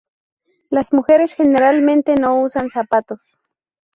Las mujeres generalmente no usan zapatos.